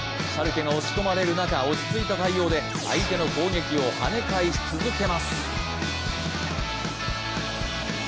シャルケが押し込まれる中、落ち着いた対応で相手の攻撃をはね返し続けます。